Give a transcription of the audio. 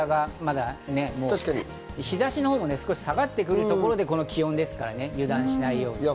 日差しのほうも下がってくるところで、この気温ですから油断しないように。